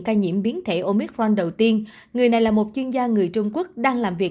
ca nhiễm biến thể omitforn đầu tiên người này là một chuyên gia người trung quốc đang làm việc